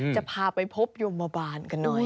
จะพาไปพบยมบาลกันหน่อย